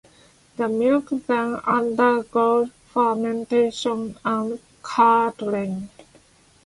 The milk then undergoes fermentation and curdling.